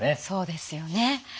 そうですよね。